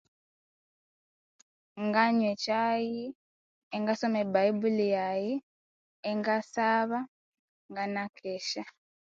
Nganywa ekyayi ingasoma ebayibuli yaghe ingasaba ngana kesya